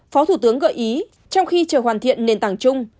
phó thủ tướng gợi ý trong khi chờ hoàn thiện nền tảng chung